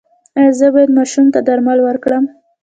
ایا زه باید ماشوم ته درمل ورکړم؟